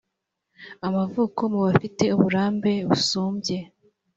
amavuko mu bafite uburambe busumbye